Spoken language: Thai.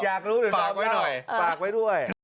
อยากรู้เดี๋ยวดอมเล่าฝากไว้หน่อย